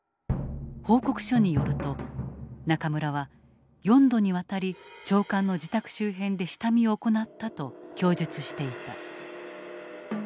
報告書によると中村は「４度にわたり長官の自宅周辺で下見を行った」と供述していた。